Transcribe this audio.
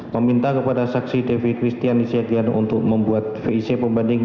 meminta kepada saksi devi kristian isyadian untuk membuat vic pembanding